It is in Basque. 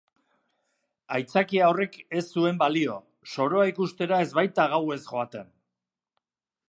Aitzakia horrek ez zuen balio, soroa ikustera ez baita gauez joaten.